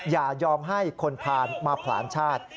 อย่ายอมให้คนผ่านมาผลาญชาติ